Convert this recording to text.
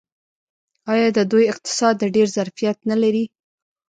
آیا د دوی اقتصاد ډیر ظرفیت نلري؟